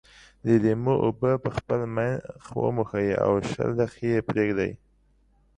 د لیمو اوبه په خپل مخ وموښئ او شل دقيقې یې پرېږدئ.